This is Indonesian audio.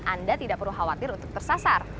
anda tidak perlu khawatir untuk tersasar